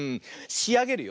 しあげるよ。